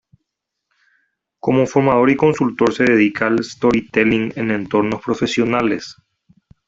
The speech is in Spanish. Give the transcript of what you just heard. Cómo formador y consultor se dedica al "storytelling" en entornos profesionales.